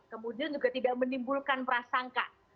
kemudian juga tidak menimbulkan prasangka